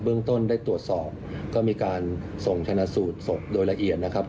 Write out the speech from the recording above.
เรื่องต้นได้ตรวจสอบก็มีการส่งชนะสูตรศพโดยละเอียดนะครับ